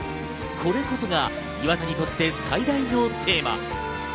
これこそが岩田にとって最大のテーマ。